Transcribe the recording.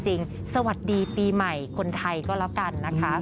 สวัสดีปีใหม่คนไทยก็แล้วกันนะคะ